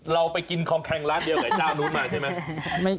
เราไปกินของแคงร้านเดียวกับเจ้านู้นมาใช่ไหม